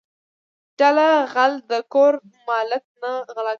دله غل د کور مالت نه غلا کوي.